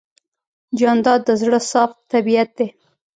جانداد د زړه صاف طبیعت دی.